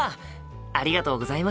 ありがとうございます。